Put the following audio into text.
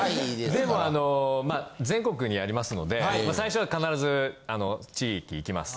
でもあの全国にありますのでまあ最初は必ずあの地域行きます。